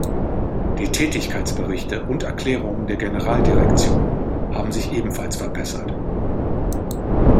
Die Tätigkeitsberichte und Erklärungen der Generaldirektionen haben sich ebenfalls verbessert.